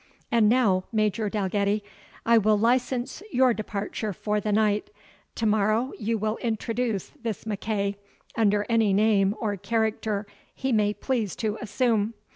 And now, Major Dalgetty, I will license your departure for the night; tomorrow you will introduce this MacEagh, under any name or character he may please to assume.